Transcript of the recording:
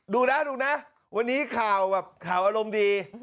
ดูนะวันนี้ข่าวอารมณ์ดี